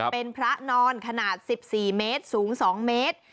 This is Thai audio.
เป็นพระนอนขนาด๑๔เมตรสูง๒เมตร